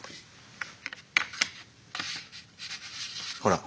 ほら。